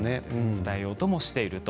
伝えようともしていると。